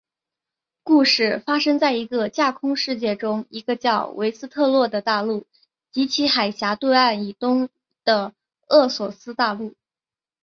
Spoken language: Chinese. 故事发生在一个架空世界中一个叫做维斯特洛的大陆及其狭海对岸以东的厄索斯大陆。